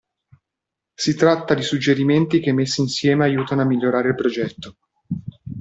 Si tratta di suggerimenti che messi insieme aiutano a migliorare il progetto.